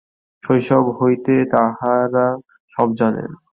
শৈশব হইতে তাঁহারা সব জানেন।